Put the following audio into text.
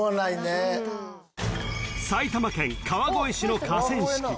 ［埼玉県川越市の河川敷］